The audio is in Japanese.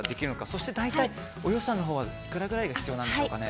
そして大体お予算のほうはいくらくらい必要なんですかね。